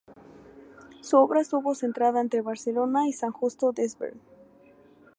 Su obra estuvo centrada entre Barcelona y San Justo Desvern.